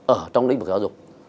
ở trong lĩnh vực giáo dục